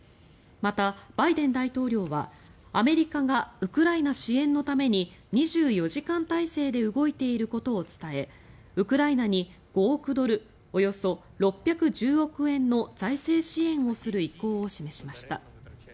またバイデン大統領はアメリカがウクライナ支援のために２４時間体制で動いていることを伝えウクライナに５億ドルおよそ６１０億円の財政支援をする意向を示しました。